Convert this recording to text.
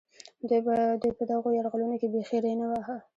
دوی په دغو یرغلونو کې بېخي ري نه واهه.